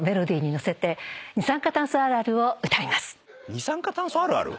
二酸化炭素あるある？